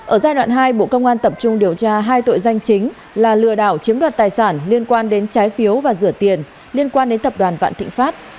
ở giai đoạn hai bộ công an tập trung điều tra hai tội danh chính là lừa đảo chiếm đoạt tài sản liên quan đến trái phiếu và rửa tiền liên quan đến tập đoàn vạn thịnh pháp